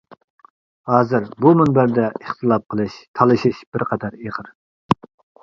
ھازىر بۇ مۇنبەردە ئىختىلاپ قېلىش تالىشىش بىرقەدەر ئېغىر.